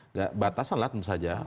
nggak batasan lah tentu saja